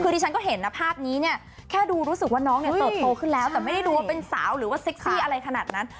คือดีฉันก็เห็นน่ะภาพนี้แค่ดูรู้สึกว่าน้องตกโทคขึ้นแล้วแต่ไม่ได้รู้เป็นสาวหรือว่าเซ็กซี่อะไรขนาดนั้น